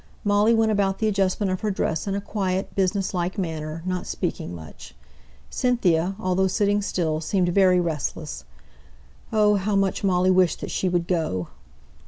Molly went about the adjustment of her dress in a quiet, business like manner, not speaking much; Cynthia, although sitting still, seemed very restless. Oh! how much Molly wished that she would go.